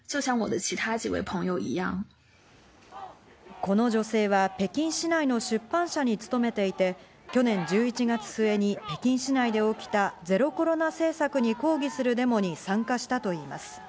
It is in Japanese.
この女性は北京市内の出版社に勤めていて、去年１１月末に北京市内で起きたゼロコロナ政策に抗議するデモに参加したといいます。